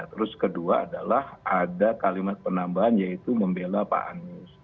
terus kedua adalah ada kalimat penambahan yaitu membela pak anies